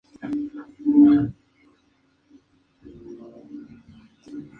Estudió composición en el Conservatorio Nacional de Música del Perú.